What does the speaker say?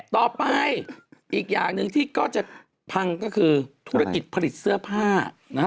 ต่อไปอีกอย่างหนึ่งที่ก็จะพังก็คือธุรกิจผลิตเสื้อผ้า